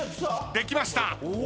できました。